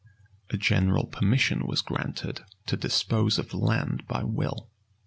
[v] A general permission was granted to dispose of land by will.